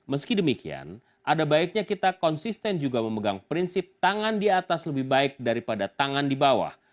meski demikian ada baiknya kita konsisten juga memegang prinsip tangan di atas lebih baik daripada tangan di bawah